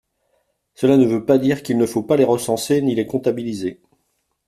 Cela ne veut pas dire qu’il ne faut pas les recenser ni les comptabiliser.